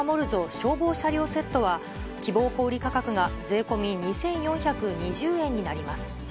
消防車両セットは、希望小売り価格が税込み２４２０円になります。